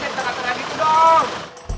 jangan jadi terang terang gitu dong